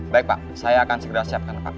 baik pak saya akan segera siapkan